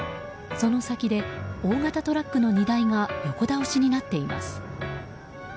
その先で大型トラックの荷台が横倒しになっています。